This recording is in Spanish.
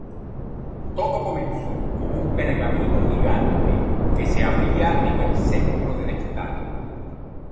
Todo comenzó con un pergamino gigante que se abría en el centro del estadio.